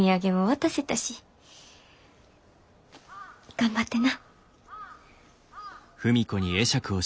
頑張ってな。